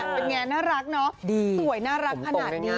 เป็นไงน่ารักเนาะสวยน่ารักขนาดนี้